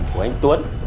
của anh tuấn